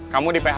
kamu di phk